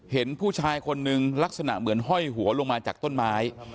เห็นผู้ชายคนนึงลักษณะเหมือนห้อยหัวลงมาจากต้นไม้